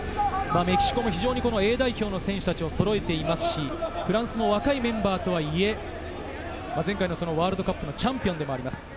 メキシコもＡ代表の選手をそろえていますし、フランスも若いメンバーとはいえ、前回ワールドカップのチャンピオンでもあります。